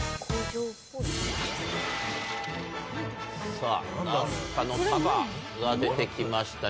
さぁ何かの束が出てきましたね。